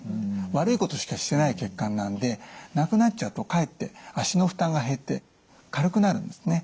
悪いことしかしてない血管なんでなくなっちゃうとかえって脚の負担が減って軽くなるんですね。